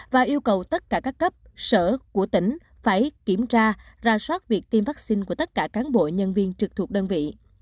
và yêu cầu tất cả các cấp sở của tỉnh phải kiểm tra ra soát việc tiêm vaccine của tất cả cán bộ nhân viên trực thuộc đơn vị